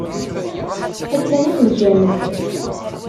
Attan akked Jamal.